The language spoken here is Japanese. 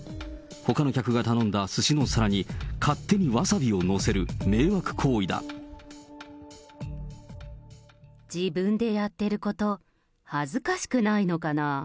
ほかの客が頼んだすしの皿に、自分でやってること、恥ずかしくないのかな。